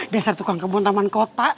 dasar tukang kebun taman kota